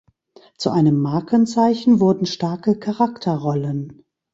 Zu einem Markenzeichen wurden starke Charakterrollen.